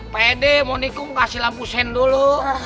pak edi mau nikung kasih lampu sendo lo